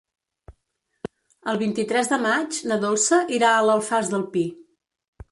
El vint-i-tres de maig na Dolça irà a l'Alfàs del Pi.